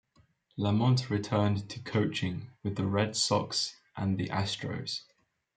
Lamont returned to coaching, with the Red Sox and the Astros.